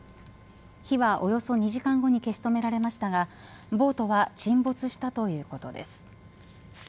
火は、およそ２時間後に消し止められましたがボートは沈没したということです。